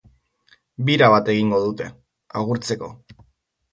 Bira bat egingo dute, agurtzeko.